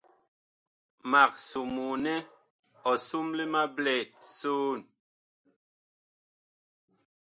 Mag somoo nɛ ɔ somle ma blɛt soon.